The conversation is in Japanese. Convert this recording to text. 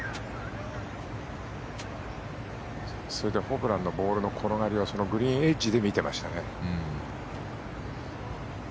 それでホブランのボールの転がりをグリーンエッジで見てましたね。